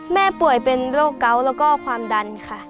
ป่วยเป็นโรคเกาะแล้วก็ความดันค่ะ